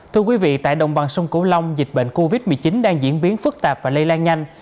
thưa quý vị tại đồng bằng sông cửu long dịch bệnh covid một mươi chín đang diễn biến phức tạp và lây lan nhanh